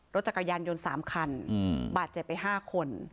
รถจักรยานยนต์๓คันบาดเจ็บไป๕คน